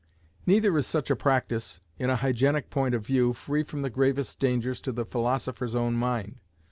Neither is such a practice, in a hygienic point of view, free from the gravest dangers to the philosopher's own mind.